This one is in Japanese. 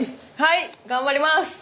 はい頑張ります。